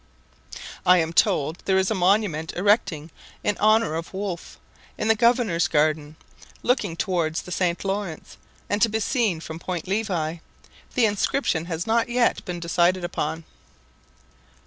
I am told there is a monument erecting in honour of Wolfe, in the governor's garden, looking towards the St. Laurence, and to be seen from Point Levi: the inscription has not yet been decided upon*.